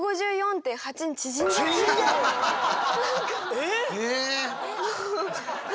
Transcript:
えっ！